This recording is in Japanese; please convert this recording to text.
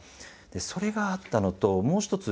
それがあったのともう一つ